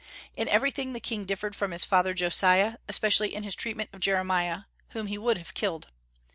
In everything the king differed from his father Josiah, especially in his treatment of Jeremiah, whom he would have killed.